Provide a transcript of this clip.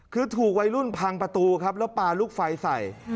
คือถูกวัยรุ่นพังประตูครับแล้วปลาลูกไฟใส่